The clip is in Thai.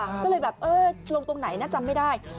ก็เลยแบบเออลงตรงไหนนะจำไม่ได้